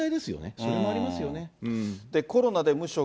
それもありますよね。